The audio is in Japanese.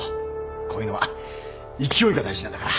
こういうのは勢いが大事なんだから。